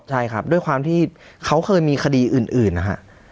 ใช่ครับด้วยความที่เขาเคยมีคดีอื่นนะฮะ